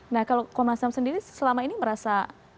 nah kalau komnas ham sendiri selama ini merasa